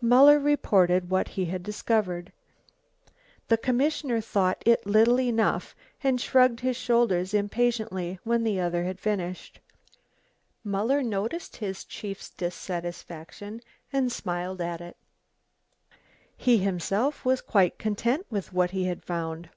Muller reported what he had discovered. The commissioner thought it little enough, and shrugged his shoulders impatiently when the other had finished. Muller noticed his chief's dissatisfaction and smiled at it. He himself was quite content with what he had found.